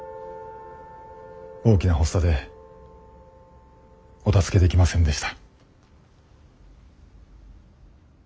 大きな発作でお助けできませんでした。